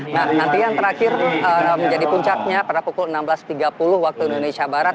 nah nanti yang terakhir menjadi puncaknya pada pukul enam belas tiga puluh waktu indonesia barat